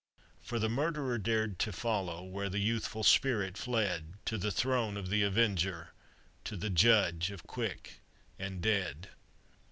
For the murderer dared to follow, Where the youthful spirit fled To the throne of the avenger, To the Judge of quick and dead.